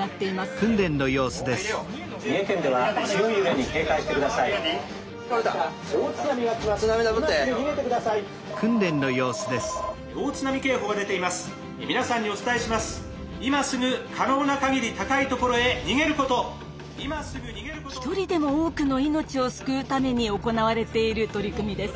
一人でも多くの命を救うために行われている取り組みです。